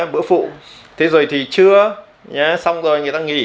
bữa phụ thế rồi thì chưa xong rồi người ta nghỉ